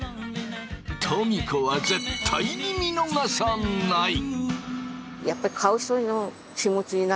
トミ子は絶対に見逃さない。